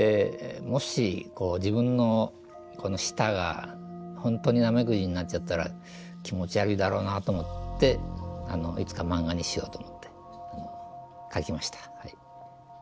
もしこう自分の舌が本当にナメクジになっちゃったら気持ち悪いだろうなと思っていつか漫画にしようと思って描きました。